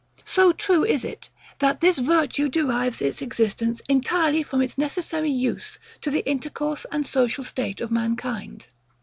So true is it, that this virtue derives its existence entirely from its necessary USE to the intercourse and social state of mankind.